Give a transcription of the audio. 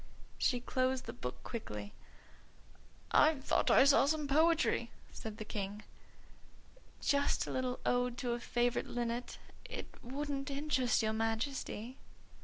She closed the book quickly. "I just thought I saw some poetry," said the King. "Just a little ode to a favourite linnet. It wouldn't interest your Majesty."